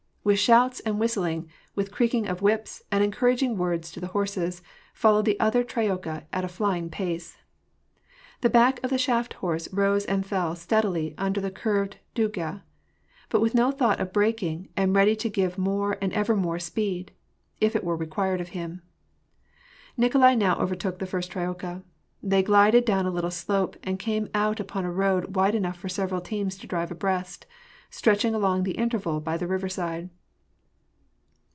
With shoats and whistling, with cracking of whips, and encoura ging words to the horses, followed the other troika at a flying pace. The back of the shaft horse rose and fell steaidily under the curved duffd, but with no thought of breaking, and ready to give more and ever more speed, if it were required of him. Nikolai now overtook the first troika. They glided down a little slope, and came out upon a road wide enough for several teams to drive abreast^ stretching along the intervale by the river side.